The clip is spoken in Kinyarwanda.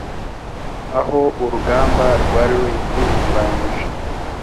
aho urugamba rwari rurimbanyije